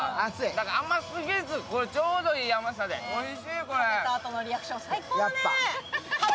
だから甘すぎず、ちょうどいい甘さでおいしい、これ。